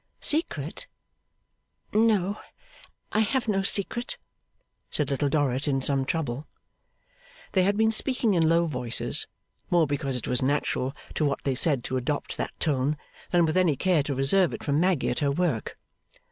'Secret? No, I have no secret,' said Little Dorrit in some trouble. They had been speaking in low voices; more because it was natural to what they said to adopt that tone, than with any care to reserve it from Maggy at her work.